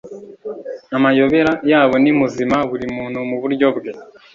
Amayobera yabo ni muzima buri muntu muburyo bwe